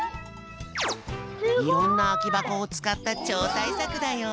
いろんなあきばこをつかったちょうたいさくだよ！